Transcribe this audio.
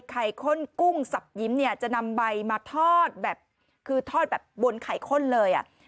ข้นกุ้งสับยิ้มเนี่ยจะนำใบมาทอดแบบคือทอดแบบบนไข่ข้นเลยอ่ะ